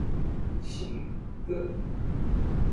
行，哥！